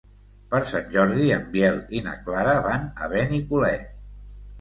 Per Sant Jordi en Biel i na Clara van a Benicolet.